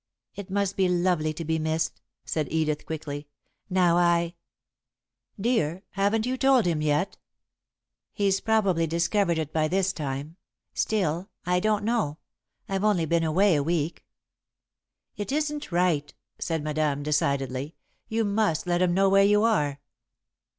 "It must be lovely to be missed," said Edith, quickly. "Now I " "Dear, haven't you told him yet?" "He's probably discovered it by this time. Still, I don't know I've only been away a week." "It isn't right," said Madame, decidedly. "You must let him know where you are."